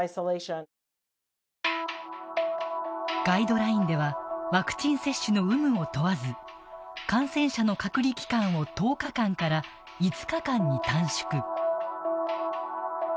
ガイドラインではワクチン接種の有無を問わず感染者の隔離期間を１０日間から５日間に短縮。